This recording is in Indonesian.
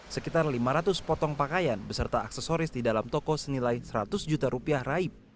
sekitar lima ratus potong pakaian beserta aksesoris di dalam toko senilai seratus juta rupiah raib